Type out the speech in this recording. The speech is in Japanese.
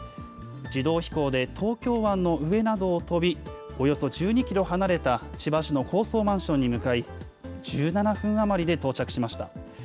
自動飛行で東京湾の上などを飛び、およそ１２キロ離れた千葉市の高層マンションに向かい、１７分余りで到着しました。